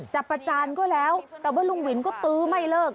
ประจานก็แล้วแต่ว่าลุงวินก็ตื้อไม่เลิก